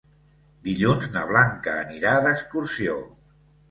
Dilluns na Blanca anirà d'excursió.